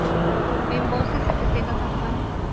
En Voces se festeja San Juan